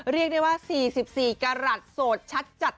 เรียกได้ว่า๔๔กรัฐโสดชัดจัด